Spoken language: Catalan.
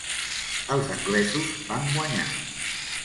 Els anglesos van guanyar.